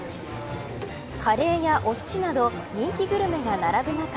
カレーや、おすしなど人気グルメが並ぶ中